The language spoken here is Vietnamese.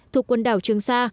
thuộc quần đảo trường sa